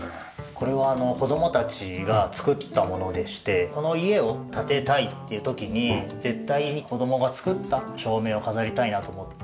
これは子供たちが作ったものでしてこの家を建てたいっていう時に絶対に子供が作った照明を飾りたいなと思って。